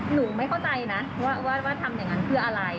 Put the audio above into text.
หนูไม่เข้าใจนะว่าทำอย่างนั้นเพื่ออะไร